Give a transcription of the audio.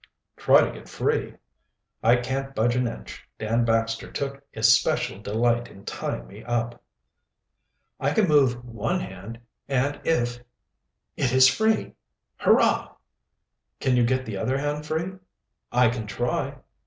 "Try to get free." "I can't budge an inch. Dan Baxter took especial delight in tying me up." "I can move one hand and if It is free! Hurrah!" "Can you get the other hand free?" "I can try.